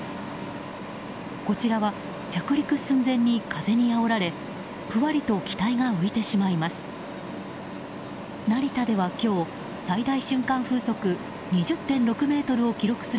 こちらは着陸寸前に風にあおられふわりと機体が浮いてしまします。